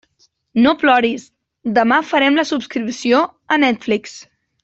No ploris, demà farem la subscripció a Netflix.